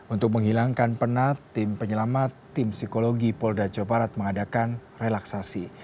untuk menghilangkan penat tim penyelamat tim psikologi polda jawa barat mengadakan relaksasi